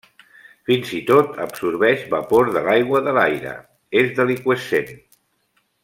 Fins i tot absorbeix vapor d'aigua de l'aire, és deliqüescent.